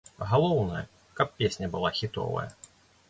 Галоўнае, каб песня была хітовая.